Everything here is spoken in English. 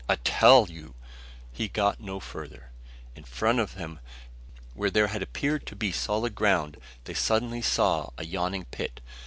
"I tell you " He got no further. In front of them, where there had appeared to be solid ground, they suddenly saw a yawning pit.